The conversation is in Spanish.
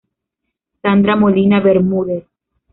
Sandra Molina Bermúdez.